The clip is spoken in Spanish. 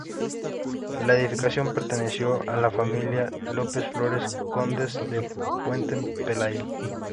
La edificación perteneció a la familia López-Flores, Condes de Puente Pelayo.